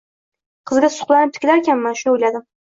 Qizga suqlanib tikilarkanman shuni o’ladim.